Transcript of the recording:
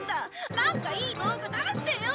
なんかいい道具出してよ！